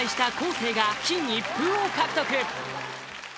生が金一封を獲得！